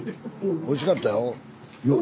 おいしかったよ。